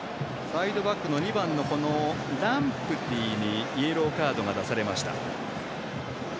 サイドバックの２番のランプティにイエローカードが出されました。